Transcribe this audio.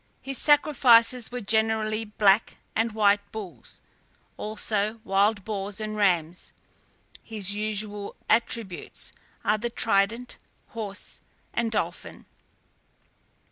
His sacrifices were generally black and white bulls, also wild boars and rams. His usual attributes are the trident, horse, and dolphin.